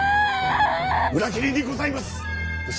裏切りにございます！